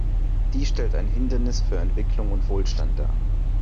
Dies stellt ein Hindernis für Entwicklung und Wohlstand dar.